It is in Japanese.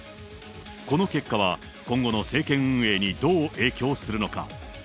この結果は今後の政権運営にどう影響するのか。